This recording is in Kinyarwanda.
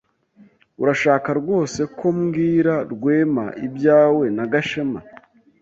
Urashaka rwose ko mbwira Rwema ibyawe na Gashema?